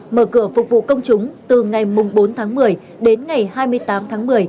mở cửa phục vụ công chúng từ ngày bốn tháng một mươi đến ngày hai mươi tám tháng một mươi